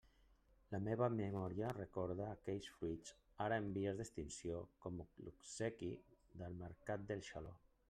La meua memòria recorda aquells fruits, ara en vies d'extinció, com l'obsequi del mercat de Xaló.